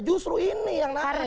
justru ini yang naik